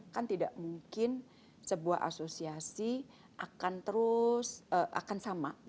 kan tidak mungkin sebuah asosiasi akan terus akan sama